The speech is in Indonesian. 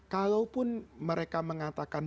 kalaupun mereka mengatakan